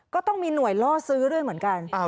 ก็ต้องมีหน่วยล่อซื้อด้วยเหมือนกัน